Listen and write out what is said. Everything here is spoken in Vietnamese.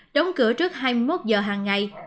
đóng cửa trước hai mươi một h hàng ngày